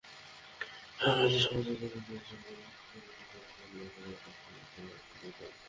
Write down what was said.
সম্প্রতি সামাজিক যোগাযোগমাধ্যমে ছবিটির প্রধান অভিনয়শিল্পীদের ব্যাপারেও তথ্য দিয়েছেন রাম গোপাল ভার্মা।